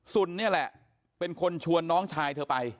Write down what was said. นี่แหละเป็นคนชวนน้องชายเธอไป